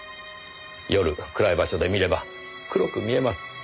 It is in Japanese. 夜暗い場所で見れば黒く見えます。